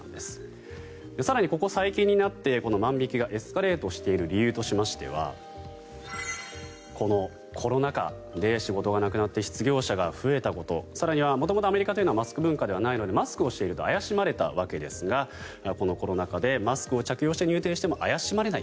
更にここ最近になって万引きがエスカレートしている理由についてはこのコロナ禍で仕事がなくなって失業者が増えたこと更には元々アメリカというのはマスク文化ではないのでマスクをしていると怪しまれたわけですがこのコロナ禍でマスクを着用して入店しても怪しまれない。